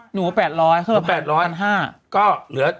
หนู๘๐๐ครับ๑๕๐๐